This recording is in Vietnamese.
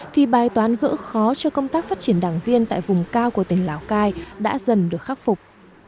thì bài toán gỡ khó cho công tác phát triển đảng viên tại vùng cao của tỉnh lào cai đã dần được khắc phục